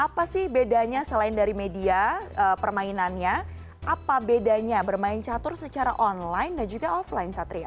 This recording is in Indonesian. apa sih bedanya selain dari media permainannya apa bedanya bermain catur secara online dan juga offline satria